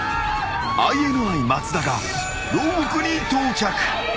［ＩＮＩ松田が牢獄に到着］